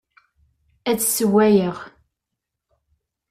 Ad sewwayeɣ.